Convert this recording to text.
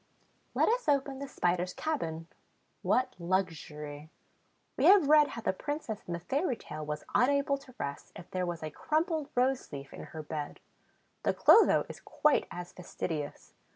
Let us open the Spider's cabin. What luxury! We have read how the Princess in the fairy tale was unable to rest, if there was a crumpled rose leaf in her bed. The Clotho is quite as fastidious.